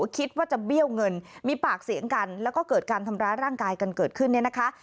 คิดว่าจะเบี้ยวเงินมีปากเสียงกันแล้วก็เกิดการทำร้ายร่างกายกันเกิดขึ้นเนี่ยนะคะ